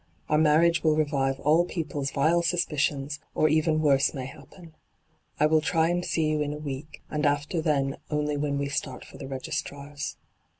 Our marriage will revive all people's vile suspicions, or even worse may happen. I will tiy and see you in a week, and after then only when we start for the registrar's.'